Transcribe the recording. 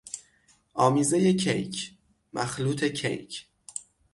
آمیزهی کیک، مخلوط کیک